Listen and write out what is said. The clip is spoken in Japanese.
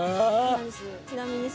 「ちなみに」